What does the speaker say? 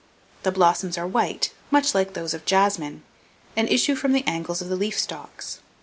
The blossoms are white, much like those of jasmine, and issue from the angles of the leaf stalks.